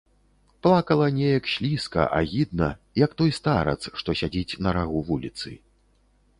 Плакала неяк слізка, агідна, як той старац, што сядзіць на рагу вуліцы.